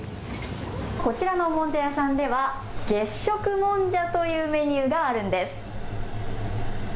こちらのもんじゃ屋さんでは月食もんじゃというメニューがあるんです。